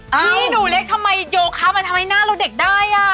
พี่หนูเล็กทำไมโยคะมาทำไมหน้าเราเด็กได้อ่ะ